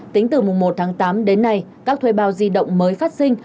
tính từ mùng một tháng tám đến nay các thuê bao di động mới phát sinh